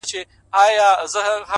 وخت د ژمنتیا رښتینولی ازموي.!